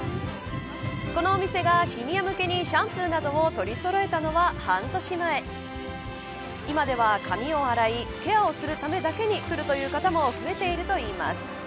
このお店がシニア向けにシャンプーなどを取りそろえたのは半年前今では、髪を洗いケアをするためだけに来るという方も増えているといいます。